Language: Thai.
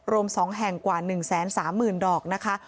รวม๒แห่งกว่า๑๓๐๐๐ดอกนะคะ